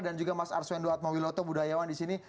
dan juga mas arswendo atmawiloto budayawan disini